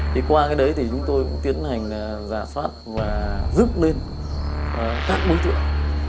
thì qua cái đấy thì chúng tôi cũng tiến hành giả soát và giúp lên các đối tượng